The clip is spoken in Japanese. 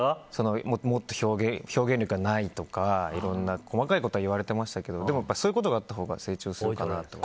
表現力がないとかいろんな細かいことは言われてましたけどでも、そういうことがあったほうが成長するかなって。